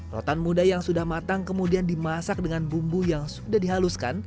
rotan muda yang sudah matang kemudian dimasak dengan bumbu yang sudah dihaluskan